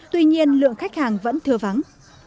tuy nhiên lượng khách hàng vẫn thừa vắng